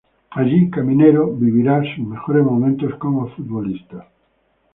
Allí Caminero vive sus mejores momentos como futbolista.